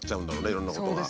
いろんなことが。